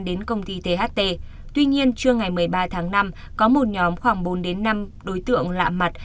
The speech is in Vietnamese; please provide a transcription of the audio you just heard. đến công ty tht tuy nhiên trưa ngày một mươi ba tháng năm có một nhóm khoảng bốn năm đối tượng lạ mặt